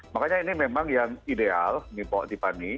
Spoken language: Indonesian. makanya ini memang yang ideal bok tipani